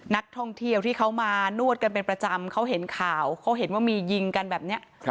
นักท่องเที่ยวที่เขามานวดกันเป็นประจำเขาเห็นข่าวเขาเห็นว่ามียิงกันแบบนี้